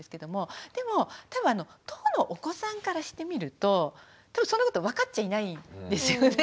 でも多分当のお子さんからしてみると多分そんなことわかっちゃいないんですよね。